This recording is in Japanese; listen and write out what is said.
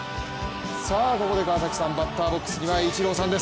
さあここで川崎さんバッターボックスにはイチローさんです。